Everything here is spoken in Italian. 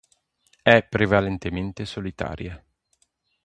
È prevalentemente solitaria.